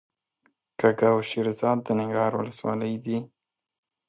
کږه او شیرزاد د ننګرهار ولسوالۍ دي.